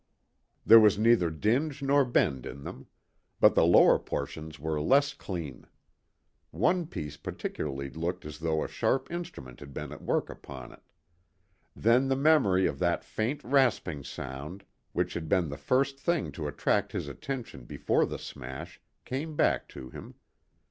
There was neither dinge nor bend in them. But the lower portions were less clean. One piece particularly looked as though a sharp instrument had been at work upon it. Then the memory of that faint rasping sound, which had been the first thing to attract his attention before the smash, came back to him.